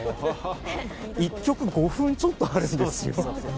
１曲５分ちょっとあるんですよ。